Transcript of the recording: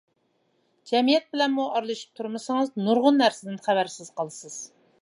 جەمئىيەت بىلەنمۇ ئارىلىشىپ تۇرمىسىڭىز نۇرغۇن نەرسىدىن خەۋەرسىز قالىسىز.